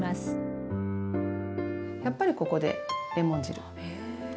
やっぱりここでレモン汁入れますよ。